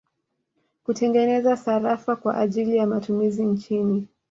Kutengeneza sarafu kwa ajili ya matumizi nchini